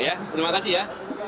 terima kasih ya